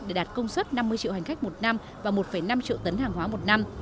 để đạt công suất năm mươi triệu hành khách một năm và một năm triệu tấn hàng hóa một năm